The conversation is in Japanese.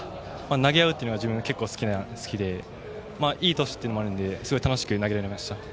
投げ合うっていうのが自分、結構好きでいい投手というのもあるのですごい楽しく投げられました。